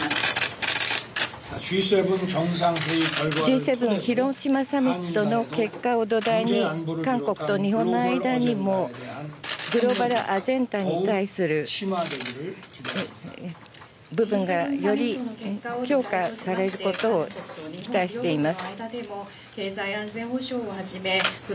Ｇ７広島サミットの結果を土台に、韓国と日本の間にもグローバルアジェンダに対する部分がより強化されることを期待しています。